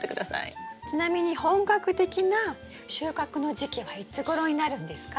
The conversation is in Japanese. ちなみに本格的な収穫の時期はいつごろになるんですか？